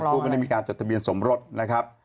ใช่ทั้งคู่ไม่ได้มีการจดทะเบียนสมรสนะครับ